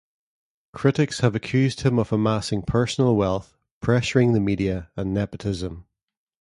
Critics have accused him of amassing personal wealth, pressuring the media, and nepotism.